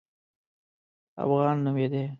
افغان نومېدی.